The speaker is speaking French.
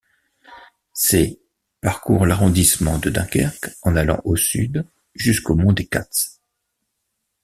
Ses parcourent l'arrondissement de Dunkerque en allant au sud jusqu'au mont des Cats.